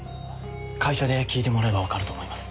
会社で聞いてもらえばわかると思います。